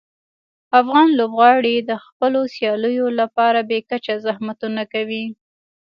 افغان لوبغاړي د خپلو سیالیو لپاره بې کچه زحمتونه کوي.